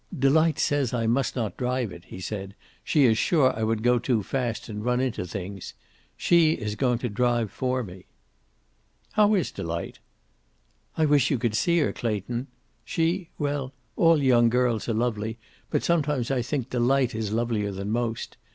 "Delight says I must not drive it," he said. "She is sure I would go too fast, and run into things. She is going to drive for me." "How is Delight?" "I wish you could see her, Clayton. She well, all young girls are lovely, but sometimes I think Delight is lovelier than most.